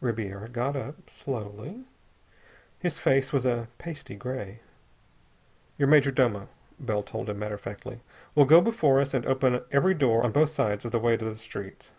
Ribiera got up. Slowly. His face was a pasty gray. "Your major domo," Bell told him matter of factly, "will go before us and open every door on both sides of the way to the street.